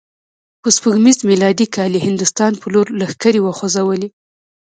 په سپوږمیز میلادي کال یې هندوستان په لور لښکرې وخوزولې.